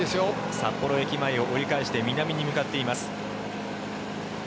札幌駅前を折り返して南に向かっています。